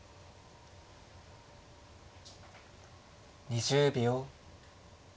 ２０秒。